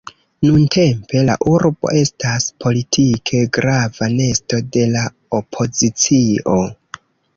Nuntempe la urbo estas politike grava nesto de la opozicio.